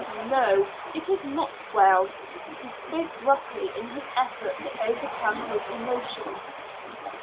"No, it is not well." He spoke gruffly in his effort to overcome his emotion.